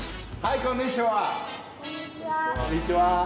こんにちは。